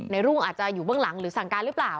รุ่งอาจจะอยู่เบื้องหลังหรือสั่งการหรือเปล่า